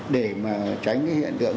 để tránh hiện tượng